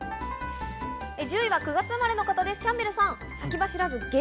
１０位は９月生まれの方です、キャンベルさん。